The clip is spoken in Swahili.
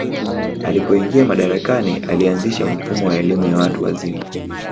alipoingia madarakani alianzisha mfumo wa elimu ya watu wazima